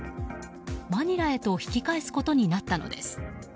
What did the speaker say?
マニラへと引き返すことになったのです。